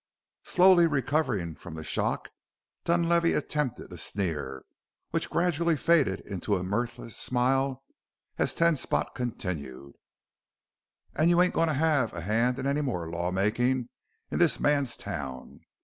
Slowly recovering from the shock Dunlavey attempted a sneer, which gradually faded into a mirthless smile as Ten Spot continued: "An' you ain't goin' to have a hand in any more law makin' in this man's town.